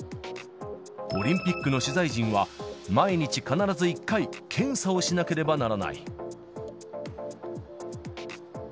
オリンピックの取材陣は、毎日必ず１回、検査をしなければならない。